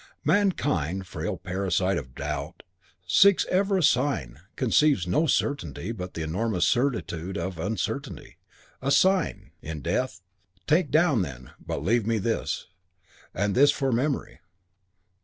Mankind, frail parasite of doubt, seeks ever for a sign, conceives no certainty but the enormous certitude of uncertainty. A sign! In death: "Take down, then; but leave me this and this for memory.